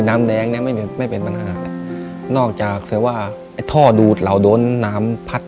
ในแคมเปญพิเศษเกมต่อชีวิตโรงเรียนของหนู